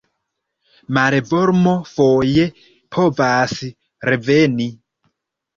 Malvarmo foje povas reveni.